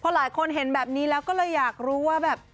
หลายคนเห็นแบบนี้แล้วก็เลยอยากรู้ว่าแบบ